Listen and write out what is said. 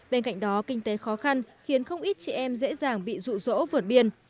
bên cạnh đó kinh tế khó khăn khiến không ít chị em dễ dàng bị rụ rỗ vượt biên